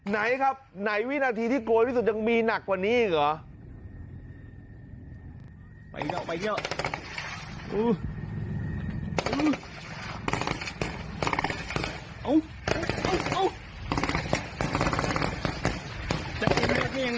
ไหนครับไหนวินาทีที่กลัวที่สุดยังมีหนักกว่านี้อีกเหรอ